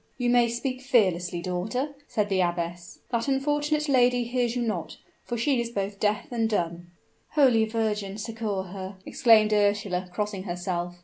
"You may speak fearlessly, daughter," said the abbess; "that unfortunate lady hears you not for she is both deaf and dumb." "Holy Virgin succor her," exclaimed Ursula, crossing herself.